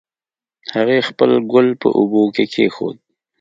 هغې خپل ګل په اوبو کې کېښود